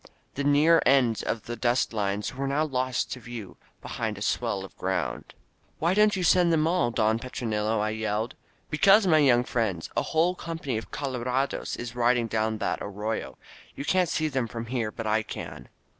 The near ends of the dust lines were now lost to view behind a swell of groimd. "Why don't you send them all, Don Petronilo?" I yelled. ^^Because, my young friend, a whole company of colorados is riding down that arroyo. You can't see them from there, but I can."